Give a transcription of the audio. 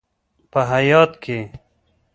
په هیات کې: